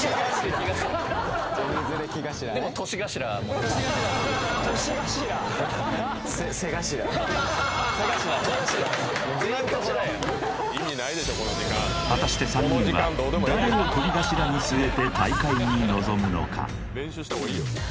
年頭は背頭果たして３人は誰をとり頭に据えて大会に臨むのか？